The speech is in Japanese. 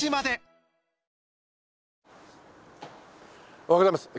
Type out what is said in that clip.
おはようございます。